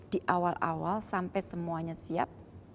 di awal awal sampai semuanya siap